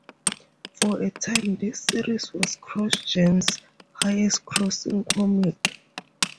For a time, this series was Crossgen's highest grossing comic.